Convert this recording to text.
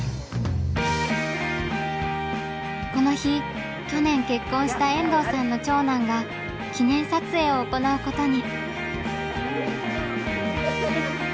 この日去年結婚した遠藤さんの長男が記念撮影を行うことに。